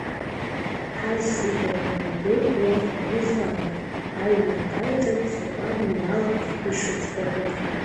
Ҳазегь агәра аагеит иарбанзаалак аимак-аиҿак, закәан-мҩала ишыӡбатәу.